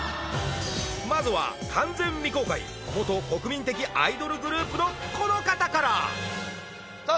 まずは完全未公開元国民的アイドルグループのこの方からさあ